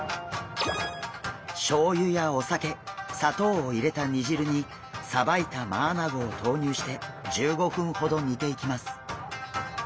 しょうゆやお酒砂糖を入れた煮汁にさばいたマアナゴをとうにゅうして１５分ほど煮ていきます。